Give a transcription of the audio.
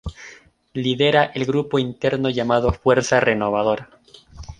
Lidera el grupo interno llamado Fuerza Renovadora.